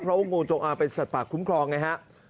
เพราะว่างูจงอางเป็นสัตว์ป่าคุ้มครองไงฮะ